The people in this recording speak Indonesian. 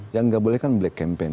yang nggak boleh kan black campaign